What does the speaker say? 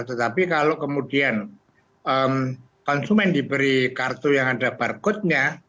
tetapi kalau kemudian konsumen diberi kartu yang ada barcode nya